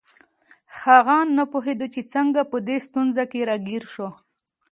هغه نه پوهیده چې څنګه په دې ستونزه کې راګیر شو